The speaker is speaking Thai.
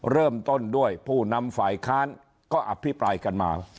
เริ่มต้นด้วยผู้นำฝ่ายค้านก็อภิปรายกันมา